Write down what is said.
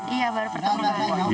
iya baru pertama kali